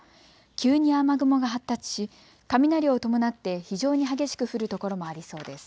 急に雨雲が発達し雷を伴って非常に激しく降る所もありそうです。